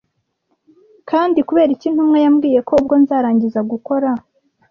kandi kubera iki intumwa yambwiye ko ubwo nzarangiza gukora